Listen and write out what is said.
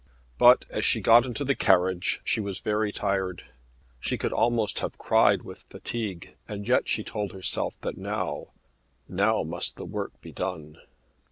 But, as she got into the carriage, she was very tired. She could almost have cried with fatigue; and yet she told herself that now, now, must the work be done.